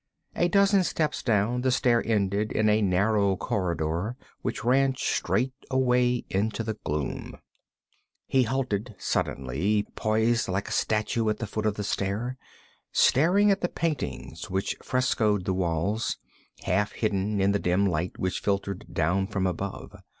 A dozen steps down, the stair ended in a narrow corridor which ran straight away into gloom. He halted suddenly, posed like a statue at the foot of the stair, staring at the paintings which frescoed the walls, half visible in the dim light which filtered down from above.